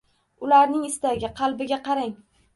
Ularning istagi, qalbiga qarang.